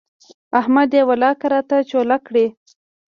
احمد يې ولاکه راته چوله کړي.